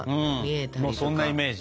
もうそんなイメージ。